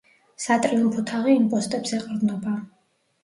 სატრიუმფო თაღი იმ პოსტებს ეყრდნობა.